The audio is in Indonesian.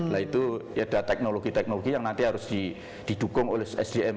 nah itu ya ada teknologi teknologi yang nanti harus didukung oleh sebuah perusahaan